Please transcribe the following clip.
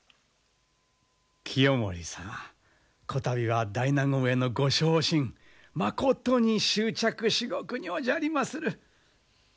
清盛様こたびは大納言へのご昇進まことに祝着至極におじゃりまする。